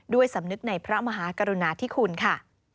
สำนึกในพระมหากรุณาธิคุณค่ะ